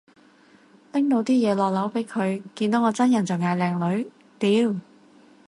拎到啲嘢落樓俾佢，見到我真人就嗌靚女，屌